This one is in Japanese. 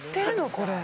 これ。